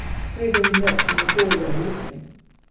Gregory knelt in the doorway listening.